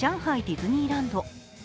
ディズニーランド。